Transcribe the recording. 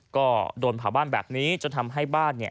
ก็โดนเผาบ้านแบบนี้จนทำให้บ้านเนี่ย